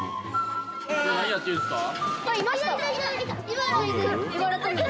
今何やってるんですか？